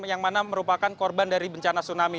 yang mana merupakan korban dari bencana tsunami